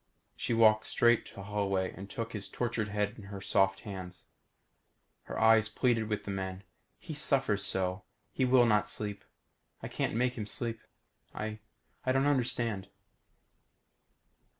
She walked straight to Holloway and took his tortured head into her soft hands. Her eyes pleaded with the men. "He suffers so. He will not sleep. I can't make him sleep. I I don't understand."